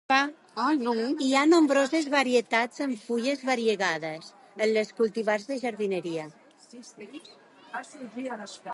Hi ha nombroses varietats amb fulles variegades en les cultivars de jardineria.